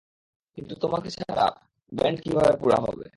কিন্তু তোমাকে ছাড়া ব্যান্ড কিভাবে পুরা হবে?